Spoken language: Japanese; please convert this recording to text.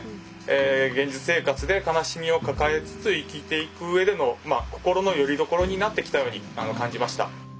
現実生活で悲しみを抱えつつ生きていくうえでの心のよりどころになってきたように感じました。